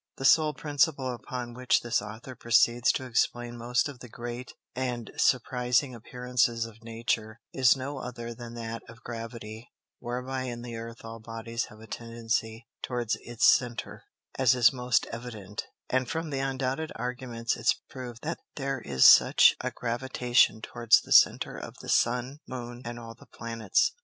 _ The sole Principle upon which this Author proceeds to explain most of the great and surprizing Appearances of Nature, is no other than that of Gravity, whereby in the Earth all Bodies have a tendency towards its Centre; as is most evident: And from undoubted Arguments it's proved, that there is such a Gravitation towards the Centre of the Sun, Moon, and all the Planets.